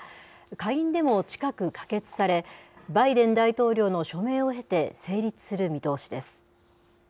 下院でも近く可決され、バイデン大統領の署名を経て、成立する見通しです。